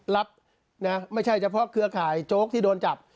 รับนะไม่ใช่เฉพาะเครือข่ายโจ๊กที่โดนจับ